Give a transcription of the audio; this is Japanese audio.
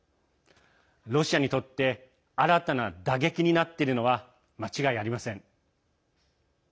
ロシアにとって新たな打撃になっているのは間違いありません。